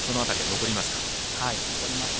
残りますね。